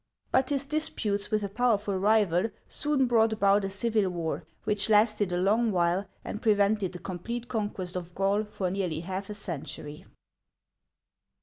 But his dis putes with a powerful rival soon brought about a civil war, which lasted a long while, and prevented the com plete conquest of Gaul for nearly half a century.